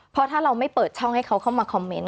เพราะถ้าเราไม่เปิดช่องให้เขาเข้ามาคอมเมนต์